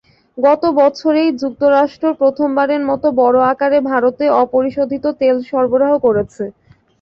গত বছরেই যুক্তরাষ্ট্র প্রথমবারের মতো বড় আকারে ভারতে অপরিশোধিত তেল সরবরাহ করেছে।